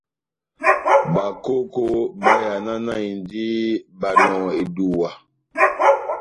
Bakoko bayananindi Banɔhɔ eduwa.